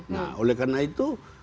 nah oleh karena itu